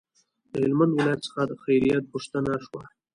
د هلمند ولایت څخه د خیریت پوښتنه شوه.